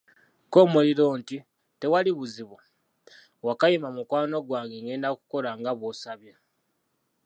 K'omuliro nti, tewali buzibu, Wakayima, mukwano gwange ngenda kukola nga bw'osabye.